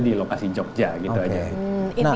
di lokasi jogja gitu aja ini